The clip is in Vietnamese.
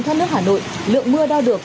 thất nước hà nội lượng mưa đo được